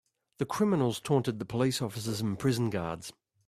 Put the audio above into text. The criminals taunted the police officers and prison guards.